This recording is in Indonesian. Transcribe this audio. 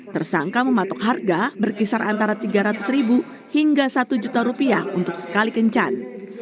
tersangka mematok harga berkisar antara rp tiga ratus hingga rp satu untuk sekali kencan